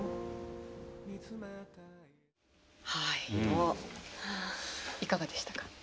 はいいかがでしたか。